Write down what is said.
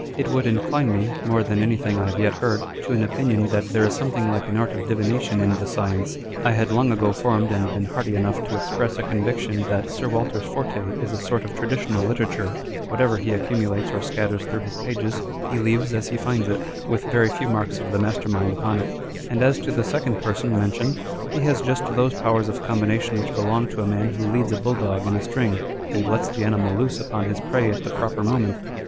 It would incline me (more than anything I have yet heard) to an opinion that there is something like an art of divination in the science. I had long ago formed and been hardy enough to express a conviction that Sir Walter's forte is a sort of traditional literature (whatever he accumulates or scatters through his pages, he leaves as he finds it, with very few marks of the master mind upon it) â€" and as to the second person mentioned, he has just those powers of combination which belong to a man who leads a bulldog in a string, and lets the animal loose upon his prey at the proper moment.